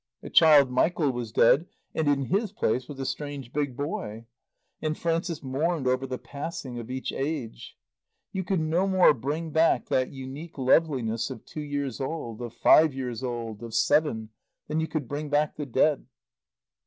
The child Michael was dead and in his place was a strange big boy. And Frances mourned over the passing of each age. You could no more bring back that unique loveliness of two years old, of five years old, of seven, than you could bring back the dead.